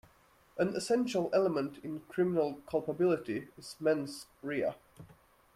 An essential element in criminal culpability is mens rea.